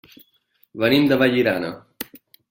Venim de Vallirana.